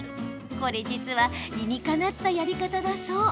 これ実は理にかなったやり方だそう。